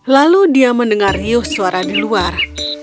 lalu dia mendengar riuh suara di luar